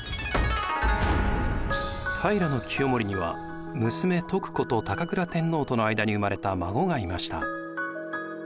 平清盛には娘・徳子と高倉天皇との間に生まれた孫がいました。